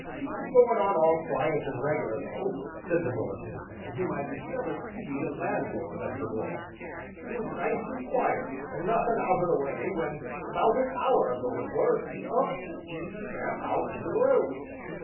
"Seemed goin' on all quiet and reg'lar, though," said the bullet headed man, whom I discovered to be the landlord of "The Bull" "seemed nice and quiet, and nothin' out o' the way, when, 'bout an hour ago it were, 'e ups and heaves Sam out into the road."